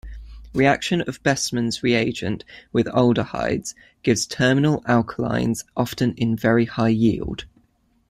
Reaction of Bestmann's reagent with aldehydes gives terminal alkynes often in very high yield.